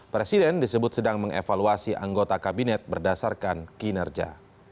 presiden disebut sedang mengevaluasi anggota kabinet berdasarkan kinerja